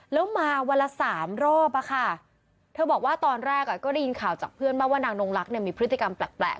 แล้วมาวันละสามรอบอะค่ะเธอบอกว่าตอนแรกก็ได้ยินข่าวจากเพื่อนมาว่านางนงลักษณ์เนี่ยมีพฤติกรรมแปลก